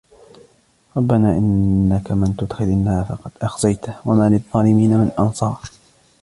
ربنا إنك من تدخل النار فقد أخزيته وما للظالمين من أنصار